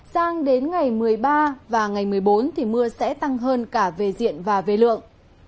sang đến ngày một mươi ba và ngày một mươi bốn thì mưa sẽ tăng hơn cả về diện và về lượng